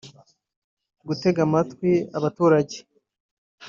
gutega amatwi abaturage